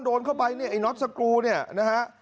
โดนเข้าไปเนี่ยไอ้น็อตสกรูเนี่ยนะฮะ